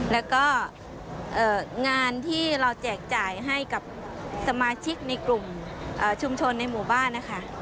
แล้วก็งานที่เราแจกจ่ายให้กับสมาชิกในกลุ่มชุมชนในหมู่บ้านนะคะ